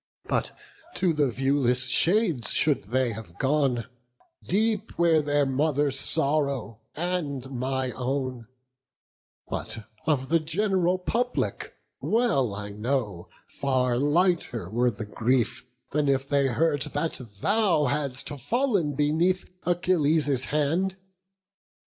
But to the viewless shades should they have gone, Deep were their mother's sorrow and my own; But of the gen'ral public, well I know Far lighter were the grief, than if they heard That thou hadst fall'n beneath Achilles' hand.